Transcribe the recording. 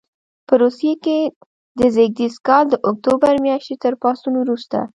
په روسیې کې د زېږدیز کال د اکتوبر میاشتې تر پاڅون وروسته.